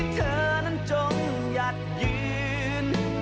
เธอนั้นจงหยัดยืน